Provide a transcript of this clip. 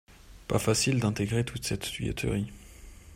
Pas facile d'intégrer toute cette tuyauterie.